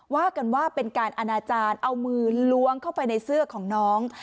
ว่ากันว่าเป็นการอนาจารย์เอามือล้วงเข้าไปในเสื้อของน้อง